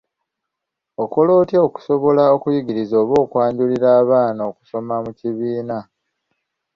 Okola otya okusobola okuyigiriza oba okwanjulira abaana okusoma mu kibiina?